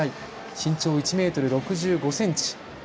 慎重１ｍ６５ｃｍ。